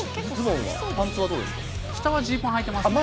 下はジーパンはいてますね。